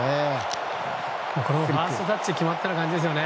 ファーストタッチで決まったような感じですよね。